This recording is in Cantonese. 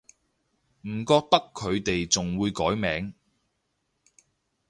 唔覺得佢哋仲會改名